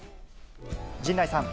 陣内さん。